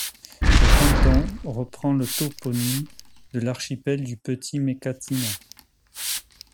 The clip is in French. Le canton reprend le toponyme de l'archipel du Petit Mécatina.